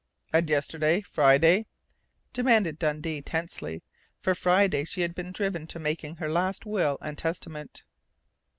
"And yesterday Friday?" Dundee demanded tensely. For Friday she had been driven to making her last will and testament....